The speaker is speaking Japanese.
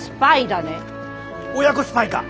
親子スパイか！